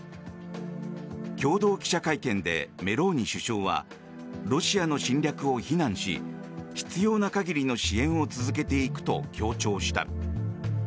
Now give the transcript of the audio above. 共同記者会見でメローニ首相はロシアの侵略を非難し必要な限りの支援を続けていくと強調した。